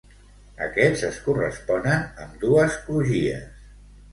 Aquests es corresponen amb dues crugies.